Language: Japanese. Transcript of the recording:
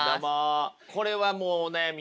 これはもうお悩み